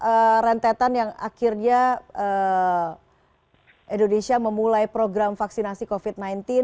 ada rentetan yang akhirnya indonesia memulai program vaksinasi covid sembilan belas